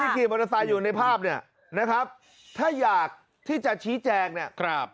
ชิคกี้พายอยู่ในภาพเนี่ยถ้าอยากที่จะชี้แจกเนี่ย